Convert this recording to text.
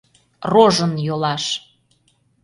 Рожын йолаш!